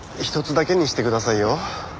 ひとつだけにしてくださいよ。